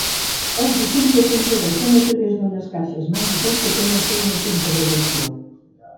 Els ítems s'aconsegueixen a través d'unes caixes màgiques que tenen signes d'interrogació.